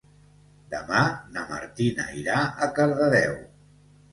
Demà na Martina irà a Cardedeu.